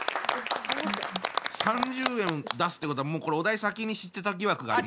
３０円出すってことはもうこれお題先に知ってた疑惑がありますね。